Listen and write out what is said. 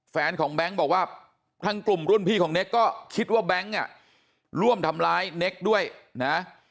แฟนของแบงค์บอกว่าทั้งกลุ่มรุ่นพี่ของเน็กก็คิดว่าแบงค์อ่ะร่วมทำร้ายเน็กด้วยนะ